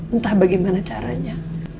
entah bagaimana caranya